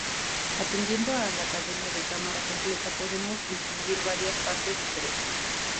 Atendiendo a la cadena de cámara completa, podemos distinguir varias partes diferentes.